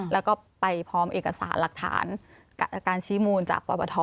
แล้วก็ไปพร้อมเอกสารหลักฐานจากการชี้มูลจากปปท